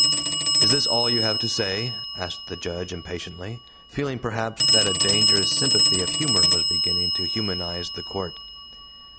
"Is this all you have to say?" asked the Judge impatiently, feeling, perhaps, that a dangerous sympathy of humor was beginning to humanize the Court.